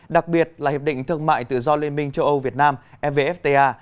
đặc biệt là hiệp định thương mại tự do liên minh châu âu việt nam evfta